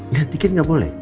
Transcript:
nanti kan gak boleh